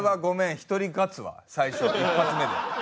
１人勝つわ最初一発目で。